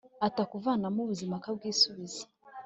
akatuvanamo ubuzima akabwisubiza